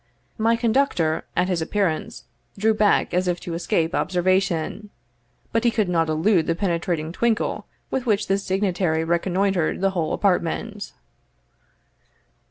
My conductor, at his appearance, drew back as if to escape observation; but he could not elude the penetrating twinkle with which this dignitary reconnoitered the whole apartment.